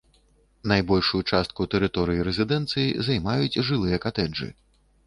Найбольшую частку тэрыторыі рэзідэнцыі займаюць жылыя катэджы.